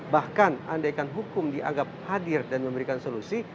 bahkan andaikan hukum dianggap hadir dan memberikan solusi